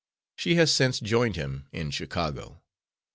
She has since joined him in Chicago.